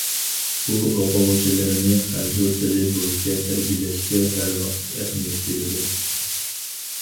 ئۇ ئوقۇغۇچىلىرىنى خەنزۇ تىلى بويىچە تەربىيەلەشكە ھەر ۋاقىت ئەھمىيەت بېرىدۇ.